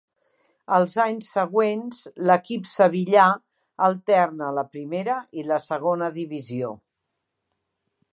Els anys següents l'equip sevillà alterna la Primera i la Segona Divisió.